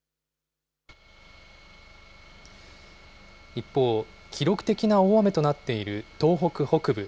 一方、記録的な大雨となっている東北北部。